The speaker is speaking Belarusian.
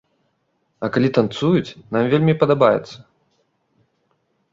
А калі танцуюць, нам вельмі падабаецца.